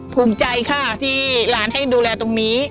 ภูมิใจค่ะที่หลานให้ดูแลตรงนี้